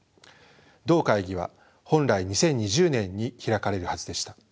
同会議は本来２０２０年に開かれるはずでした。